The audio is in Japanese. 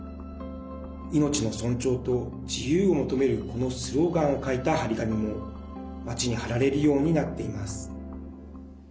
命の尊重と自由を求めるこのスローガンを書いた貼り紙も街に貼られるようになっています。